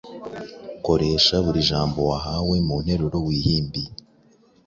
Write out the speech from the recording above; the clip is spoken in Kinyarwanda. Koresha buri jambo wahawe mu nteruro wihimbiye: